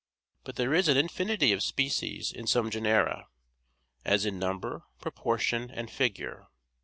But there is an infinity of species in some genera, as in number, proportion, and figure.